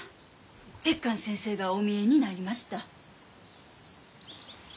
鉄寛先生がお見えになりました。